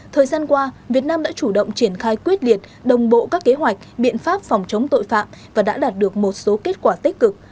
thời gian qua việt nam đã chủ động triển khai quyết liệt đồng bộ các kế hoạch biện pháp phòng chống tội phạm và đã đạt được một số kết quả tích cực